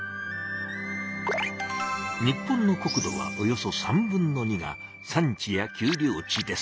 日本の国土はおよそ３分の２が山地や丘陵地です。